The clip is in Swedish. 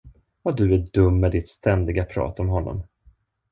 Vad du är dum med ditt ständiga prat om honom.